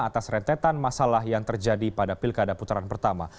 atas rentetan masalah yang terjadi pada pilkada putaran pertama